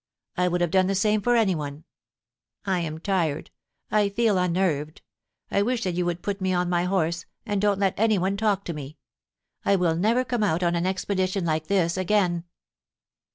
I would have done the same for anyone. ... I am tired — I feel unnerved — I wish that you would put me on my horse, and don't let anyone talk to me. I will never come out on an expedition like this again.'